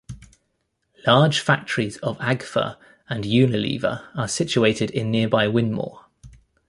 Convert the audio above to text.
Large factories of Agfa and Unilever are situated in nearby Whinmoor.